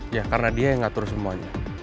ya karena dia yang ngatur semuanya